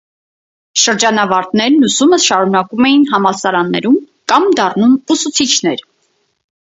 Շրջանավարտներն ուսումը շարունակում էին համալսարաններում կամ դառնում ուսուցիչներ։